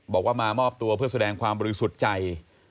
บอกว่ามามอบตัวเพื่อแสดงความบริสุทธิ์ใจ